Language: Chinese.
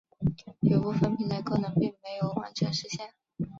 有部分平台功能并没有完全实现。